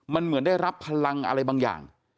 มันเหมือนได้รับพลังอะไรบางอย่าง